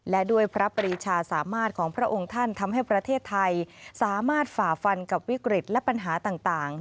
และด้วยพระปรีชาสามารถของพระองค์ท่านทำให้ประเทศไทยสามารถฝ่าฟันกับวิกฤตและปัญหาต่าง